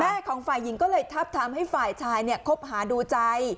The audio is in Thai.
ของฝ่ายหญิงก็เลยทับทำให้ฝ่ายชายเนี่ยคบหาดูใจ